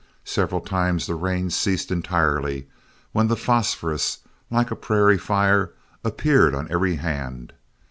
Several times the rain ceased entirely, when the phosphorus, like a prairie fire, appeared on every hand.